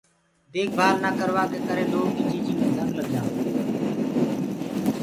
ديک ڀآل نآ ڪروآ ڪي ڪرآ لوه ڪي چيجينٚ مي جنگ لگدو هي۔